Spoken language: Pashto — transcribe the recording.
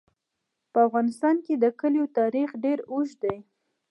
په افغانستان کې د کلیو تاریخ ډېر اوږد دی.